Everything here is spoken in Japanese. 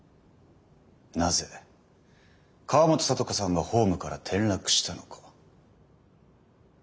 なぜ河本咲都子さんがホームから転落したのか。